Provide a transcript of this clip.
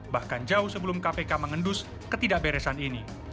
bahkan jauh sebelum kpk mengendus ketidakberesan ini